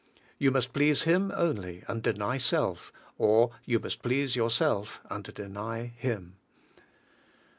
You must please Him only, and deny self, or you must please yourself and deny Him.